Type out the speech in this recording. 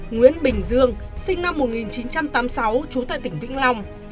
nguyễn bình dương sinh năm một nghìn chín trăm tám mươi sáu trú tại thành phố hồ chí minh